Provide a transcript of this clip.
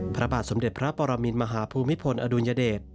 พระบาทสมเด็จพระปรมินมหาภูมิพลอดุลยเดช